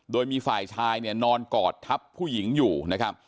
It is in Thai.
โดยมีฝ่ายชายเนี่ยนอนกอดทับผู้หญิงอยู่นะครับ